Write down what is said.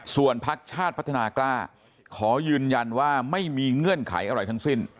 ส่วนพักชาติพัฒนากล้าขอยืนยันว่าไม่มีเงื่อนไขอะไรทั้งสิ้น